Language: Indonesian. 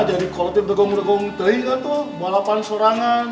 jadi kalau tim tegong tegong ganteng tuh balapan sorangan